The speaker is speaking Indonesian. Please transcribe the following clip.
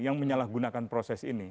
yang menyalahgunakan proses ini